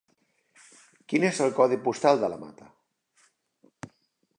Quin és el codi postal de la Mata?